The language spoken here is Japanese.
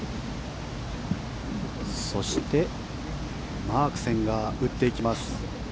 そしてマークセンが打っていきます。